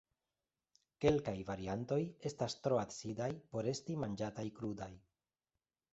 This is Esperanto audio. Kelkaj variantoj estas tro acidaj por esti manĝataj krudaj.